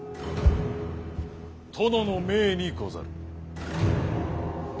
殿の命にござる。